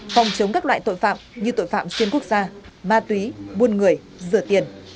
phòng chống các loại tội phạm như tội phạm xuyên quốc gia ma túy buôn người rửa tiền